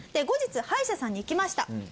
後日歯医者さんに行きました。